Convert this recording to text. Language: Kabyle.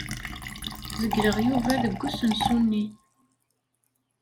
Zegleɣ Yuba deg usensu-nni.